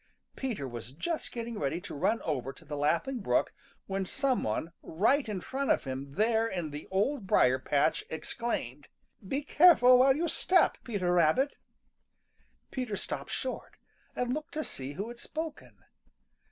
Peter was just getting ready to run over to the Laughing Brook when some one right in front of him there in the Old Briar patch exclaimed. [Illustration: 0060] "Be careful where you step, Peter Rabbit!" Peter stopped short and looked to see who had spoken.